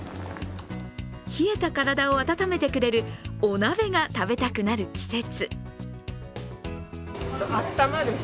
冷えた体を温めてくれるお鍋が食べたくなる季節。